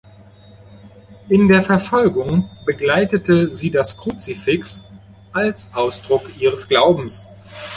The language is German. In der Verfolgung begleitete sie das Kruzifix als Ausdruck ihres Glaubens.